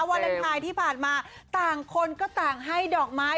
วาเลนไทยที่ผ่านมาต่างคนก็ต่างให้ดอกไม้